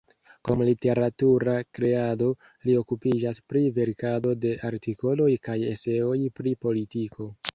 Krom literatura kreado, li okupiĝas pri verkado de artikoloj kaj eseoj pri politiko.